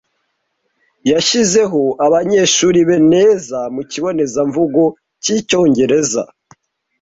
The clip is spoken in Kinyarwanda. Yashizeho abanyeshuri be neza mu kibonezamvugo cy'icyongereza.